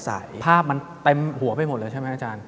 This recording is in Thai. ภาพมันเต็มหัวไปหมดเลยใช่ไหมอาจารย์